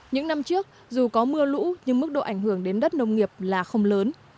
những năm trước dù có mưa lũ nhưng mức độ ảnh hưởng đến đất nông nghiệp là không lớn